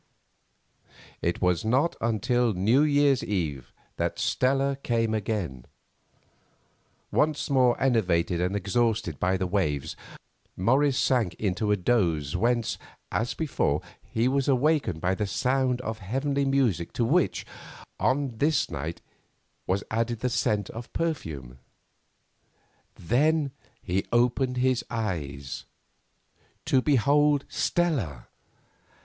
It was not until New Year's Eve that Stella came again. Once more enervated and exhausted by the waves, Morris sank into a doze whence, as before, he was awakened by the sound of heavenly music to which, on this night, was added the scent of perfume. Then he opened his eyes—to behold Stella.